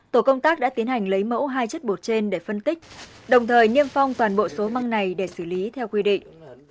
tổ công tác đã tiến hành lấy mẫu hai chất bột trên để phân tích đồng thời niêm phong toàn bộ số măng này để xử lý theo quy định